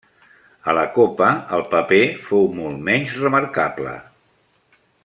A la Copa el paper fou molt més menys remarcable.